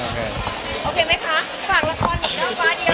คุณค่ะ